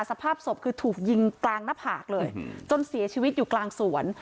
สภาพศพคือถูกยิงกลางหน้าผากเลยจนเสียชีวิตอยู่กลางสวน